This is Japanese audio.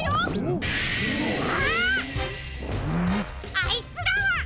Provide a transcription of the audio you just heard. あいつらは！